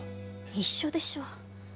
一緒でしょ。